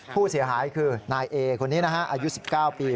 ผู้เสียหายคือนายเอคนนี้นะฮะอายุ๑๙ปี